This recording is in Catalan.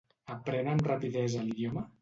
Aprèn amb rapidesa l'idioma?